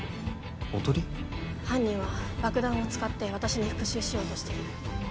犯人は爆弾を使って私に復讐しようとしてる。